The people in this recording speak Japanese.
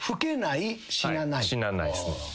死なないっすね。